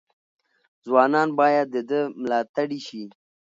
ځوانان باید د ده ملاتړي شي.